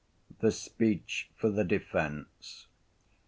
The Speech For The Defense.